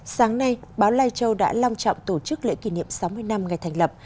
sáng nay báo lai châu đã long trọng tổ chức lễ kỷ niệm sáu mươi năm ngày thành lập